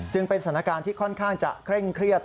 เป็นสถานการณ์ที่ค่อนข้างจะเคร่งเครียด